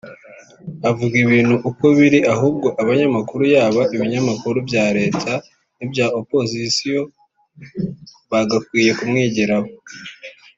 Avuga ibintu uko biri ahubwo abanyamakuru yaba ab’ibinyamakuru bya leta n’ibya opposition bagakwiye kumwigiraho